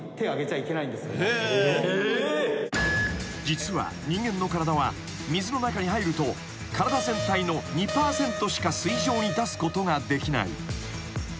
［実は人間の体は水の中に入ると体全体の２％しか水上に出すことができない］